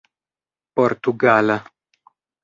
portugala